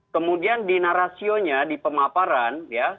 kemudian di narasionya di pemaparan